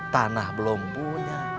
tanah belum punya